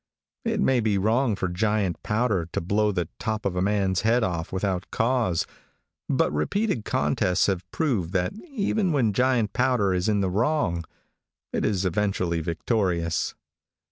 It may be wrong for giant powder to blow the top of a man's head off without cause, but repealed contests have proved that even when giant powder is in the wrong, it is eventually victorious.